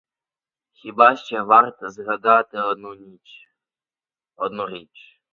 Хіба ще варт згадати одну річ.